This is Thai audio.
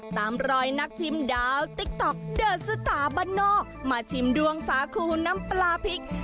ตามรอยนักชิมดาวติ๊กต๊อกเดอร์สตาร์บ้านโน่มาชิมดวงสาคูน้ำปลาพริก